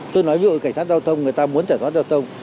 tôi nói ví dụ cảnh sát giao thông người ta muốn trải thoát giao thông